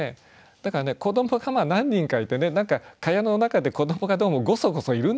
だからね子どもが何人かいて何か蚊帳の中で子どもがどうもゴソゴソいるんだろうなと。